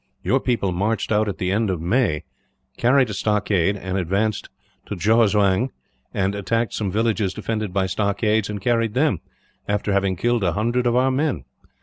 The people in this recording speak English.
Your people marched out at the end of May, carried a stockade; and advanced to Joazoang, and attacked some villages defended by stockades and carried them, after having killed a hundred of our men.